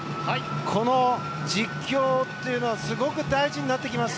この実況というのはすごく大事になってきます。